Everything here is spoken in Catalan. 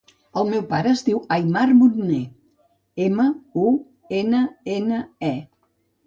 El meu pare es diu Aimar Munne: ema, u, ena, ena, e.